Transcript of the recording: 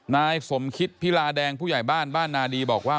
นายสมคิตพิลาแดงผู้ใหญ่บ้านบ้านนาดีบอกว่า